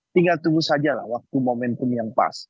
tinggal tunggu sajalah waktu momentum yang pas